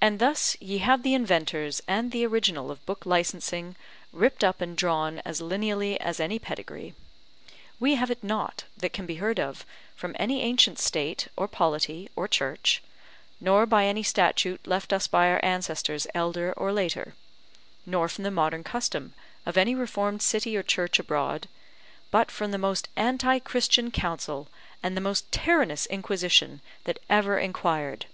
And thus ye have the inventors and the original of book licensing ripped up and drawn as lineally as any pedigree. We have it not, that can be heard of, from any ancient state, or polity or church; nor by any statute left us by our ancestors elder or later; nor from the modern custom of any reformed city or church abroad, but from the most anti christian council and the most tyrannous inquisition that ever inquired.